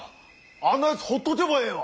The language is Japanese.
あんなやつほっとけばええわ。